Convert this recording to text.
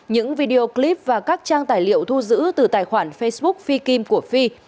những video clip và các trang tài liệu thu giữ từ tài khoản facebook phi kim của fi